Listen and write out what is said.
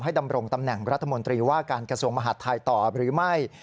ดำรงตำแหน่งรัฐมนตรีว่าการกระทรวงมหาดไทยต่อหรือไม่